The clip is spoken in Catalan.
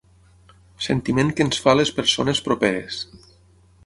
Sentiment que ens fa les persones properes.